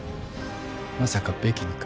まさかベキにか？